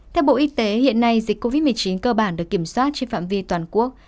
theo bộ y tế hiện nay dịch covid một mươi chín cơ bản được kiểm soát trên phạm vi toàn quốc